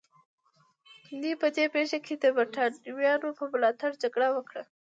دوی په دې پېښه کې د برېټانویانو په ملاتړ جګړه وکړه.